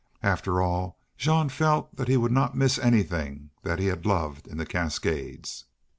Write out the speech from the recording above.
After all, Jean felt that he would not miss anything that he had loved in the Cascades.